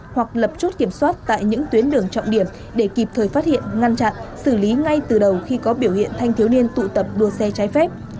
hoặc lập chốt kiểm soát tại những tuyến đường trọng điểm để kịp thời phát hiện ngăn chặn xử lý ngay từ đầu khi có biểu hiện thanh thiếu niên tụ tập đua xe trái phép